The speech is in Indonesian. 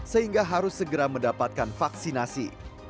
sehingga harus segera mendapatkan vaksinasi